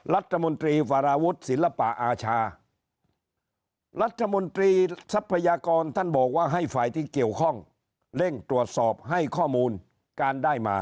รัฐมนตรีสารวุฒิศิลปะอาชารัฐมนตรีทรัพยากรท่านบอกว่าให้ฝ่ายที่เกี่ยวข้องเร่งตรวจสอบให้ข้อมูลการได้มา